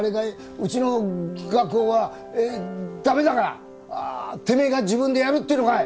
うちの画工は駄目だからてめえが自分でやるっていうのかい！？